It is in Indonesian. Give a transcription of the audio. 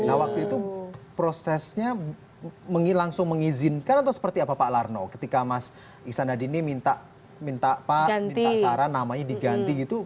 nah waktu itu prosesnya langsung mengizinkan atau seperti apa pak larno ketika mas iksan hadini minta pak minta saran namanya diganti gitu